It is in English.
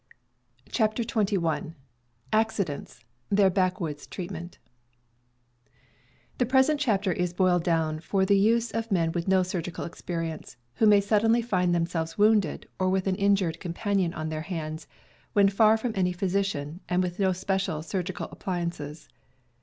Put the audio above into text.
CHAPTER XXI ACCIDENTS— THEIR BACKWOODS TREATMENT npHE present chapter is boiled down for the use of ■*■ men of no surgical experience, who may suddenly find themselves wounded, or with an injured compan ion on their hands, when far from any physician, and with no special surgical appliances.